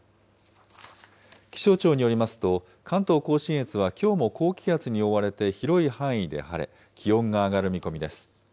気象庁によりますと、関東甲信越はきょうも高気圧に覆われて、広い範囲で晴れ、気温が上がる見込みです。